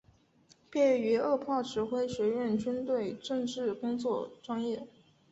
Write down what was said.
毕业于二炮指挥学院军队政治工作专业。